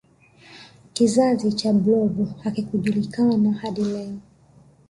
kizazi cha blob hakijulikani hadi leo